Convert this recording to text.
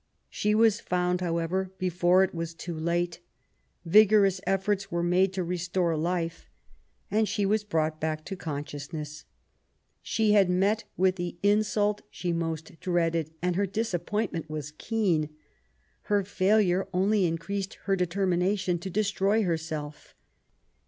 She was found, however, before it was too late. Vigoroua^^ efibrts were made to restore life, and she was brougU^r 10 ♦' 148 MARY WOLLSTONECBAFT GODWIN. back to ooDBcioimieu. She had met with the insult she most dreaded, and her disappointment was keen* Her failure only increased her determination to destroy herself.